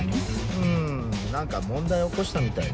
うん何か問題を起こしたみたいで。